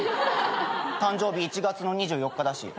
誕生日１月の２４日だし。